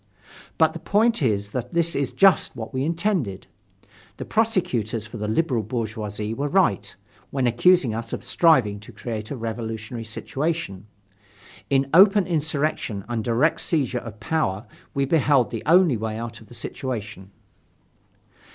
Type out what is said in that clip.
But the point is that this is just what we intended. The prosecutors for the liberal bourgeoisie were right, when accusing us of striving to create a revolutionary situation. In open insurrection and direct seizure of power we beheld the only way out of the situation.